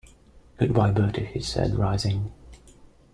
"Goodbye, Bertie," he said, rising.